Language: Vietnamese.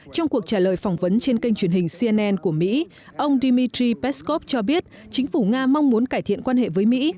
trong cuộc trả lời phỏng vấn trên kênh truyền hình cnn của mỹ ông dmitry peskov cho biết chính phủ nga mong muốn cải thiện quan hệ với mỹ